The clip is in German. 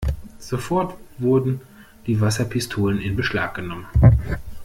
Sofort wurden die Wasserpistolen in Beschlag genommen.